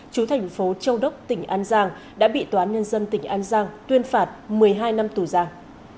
chú thành phố châu đốc tỉnh an giang đã bị tòa án nhân dân tỉnh an giang tuyên phạt một mươi hai năm tù giam